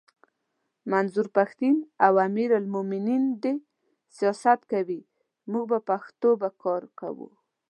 منظور پښتین او امیر المومنین دي سیاست کوي موږ به پښتو به کار کوو!